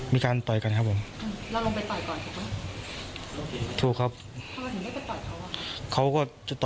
พี่เขาลงมาจากรถ